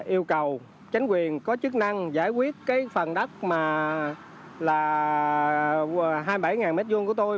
yêu cầu chính quyền có chức năng giải quyết cái phần đất mà là hai mươi bảy m hai của tôi